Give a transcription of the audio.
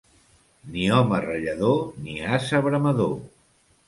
Ni home rallador ni ase bramador.